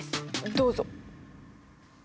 どうぞ。